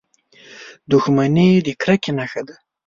• دښمني د کرکې نښه ده.